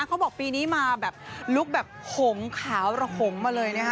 เขาบอกปีนี้มาแบบลุคแบบหงขาวระหงมาเลยนะคะ